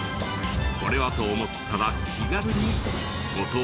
これはと思ったら気軽にご投稿